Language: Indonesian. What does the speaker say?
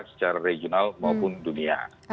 secara regional maupun dunia